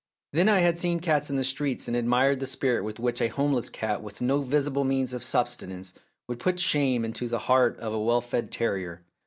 Then I had seen cats in the street, and admired the spirit with which a home less cat with no visible means of subsistence would put shame into the heart of a well fed terrier.